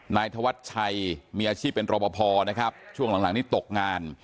นายธวัชชัยมีอาชีพเป็นรบพอนะครับช่วงหลังนี้ตกงาน